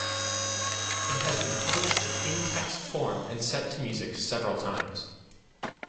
It has been published in text form and set to music several times.